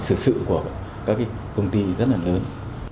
xử sự của các công ty rất là lớn